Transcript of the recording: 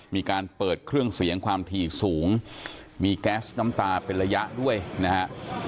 มีการเปิดเครื่องเสียงความถี่สูงมีแก๊สน้ำตาเป็นระยะด้วยนะฮะ